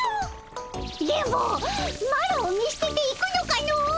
電ボマロを見捨てて行くのかの！